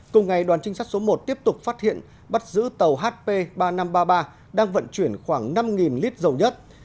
cùng ngày đoàn trinh sát số một tiếp tục phát hiện bắt giữ tàu hp ba nghìn năm trăm ba mươi ba đang vận chuyển khoảng năm lít dầu nhất